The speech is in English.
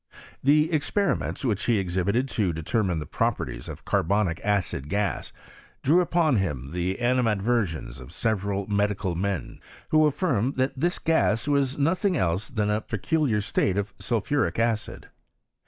The experiments which he exhibited to determine the properties of carbaaic acid gas drew upon him the animadversions of several medical men, who afhrmed that this gas was nothing else than a peculiar state of sulphuric acid.